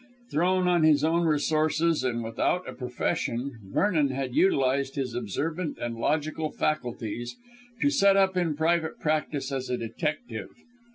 Thrown on his own resources and without a profession, Vernon had utilised his observant and logical faculties to set up in private practice as a detective.